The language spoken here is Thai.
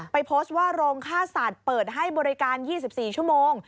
โพสต์ว่าโรงค่าสัตว์เปิดให้บริการ๒๔ชั่วโมง